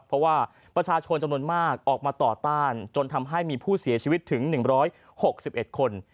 เพราะว่าประชาชนจำนวนมากออกมาต่อต้านจนทำให้มีผู้เสียชีวิตถึง๑๖๑คน